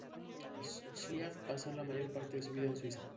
Schläfli pasó la mayor parte de su vida en Suiza.